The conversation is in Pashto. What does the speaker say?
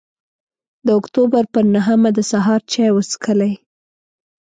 د اکتوبر پر نهمه د سهار چای وڅښلې.